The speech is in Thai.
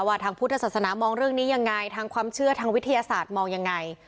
ทางพุทธศาสนามองเรื่องนี้ยังไงทางความเชื่อทางวิทยาศาสตร์มองยังไง